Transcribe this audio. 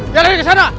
jalurin ke sana